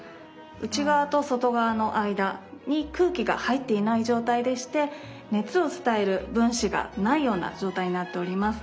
内側と外側の間に空気が入っていない状態でして熱を伝える分子がないような状態になっております。